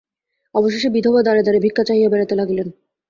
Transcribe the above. অবশেষে বিধবা দ্বারে দ্বারে ভিক্ষা চাহিয়া বেড়াইতে লাগিলেন।